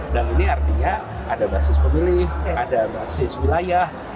dan ini artinya ada basis pemilih ada basis wilayah